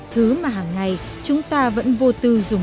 thứ mà hàng ngày chúng ta vẫn vô tư dùng